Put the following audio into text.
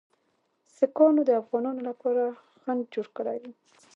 سیکهانو د افغانانو لپاره خنډ جوړ کړی وو.